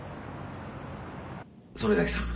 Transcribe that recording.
曽根崎さん